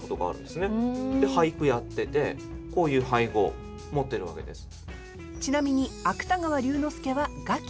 で俳句やっててこういう俳号持ってるわけです。